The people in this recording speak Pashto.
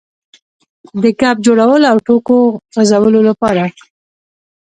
د ګپ جوړولو او ټوکو غځولو لپاره.